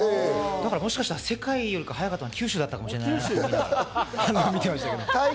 もしかしたら世界より早かったのは九州かもしれない。